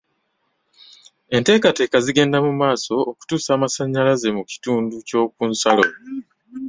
Enteekateeka zigenda mu maaso okutuusa amasannyalaze mu kitundu ky'oku nsalo.